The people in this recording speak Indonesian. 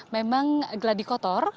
memang geladi kotor